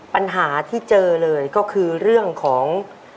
ปัญหาที่เจอเลยก็คือเรื่องของ